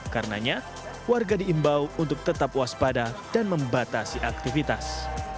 karenanya warga diimbau untuk tetap waspada dan membatasi aktivitas